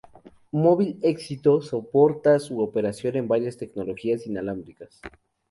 Móvil Éxito soporta su operación en varias tecnologías inalámbricas.